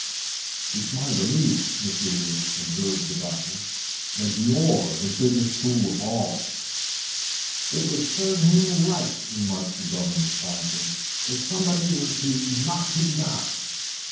"And it's my belief, Mr. Hewett," observed the doctor, "that you're the biggest fool of all." "It would serve him right," remarked the governor, quietly, "if somebody were to knock him down."